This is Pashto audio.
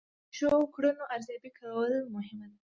د ترسره شوو کړنو ارزیابي کول مهمه ده.